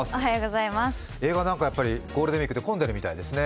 映画、ゴールデンウイークって混んでいるみたいですね？